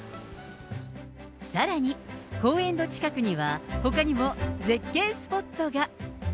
さらに、公園の近くにはほかにも絶景スポットが。